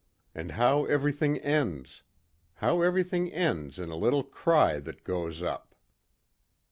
And how everything ends. How everything ends in a little cry that goes up."